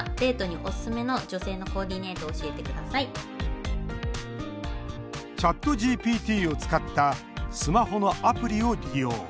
２９歳ですＣｈａｔＧＰＴを使ったスマホのアプリを利用。